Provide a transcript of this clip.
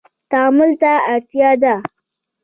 تعامل ته اړتیا ده